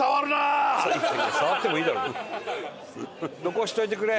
残しといてくれ。